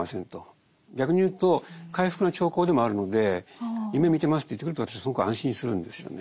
逆にいうと回復の兆候でもあるので夢見てますと言ってくれると私はすごく安心するんですよね。